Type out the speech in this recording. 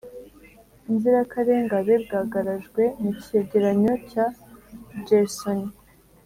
inzirakarengabe bwagarajwe mu cyegeranyo cya gersony,